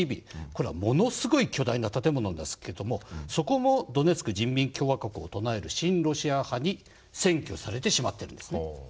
これはものすごい巨大な建物ですけどそこもドネツク人民共和国をとなえる親ロシア派に占拠されてしまってるんですね。